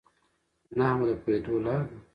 نحوه د پوهېدو لار ده.